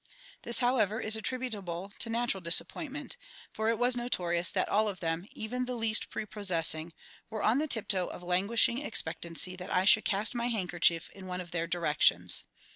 This, however, is attributable to natural disappointment; for it was notorious that all of them, even the least prepossessing, were on the tiptoe of languishing expectancy that I should cast my handkerchief in one of their directions.